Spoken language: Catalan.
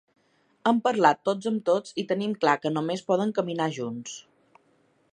Hem parlat tots amb tots i tenim clar que només podem caminar junts.